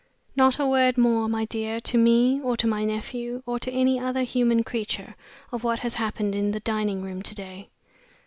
Not a word more, my dear, to me, or to my nephew, or to any other human creature, of what has happened in the dining room to day.